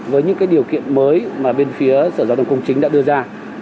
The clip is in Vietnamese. với những điều kiện mới mà bên phía sở giao thông công chính đã đưa ra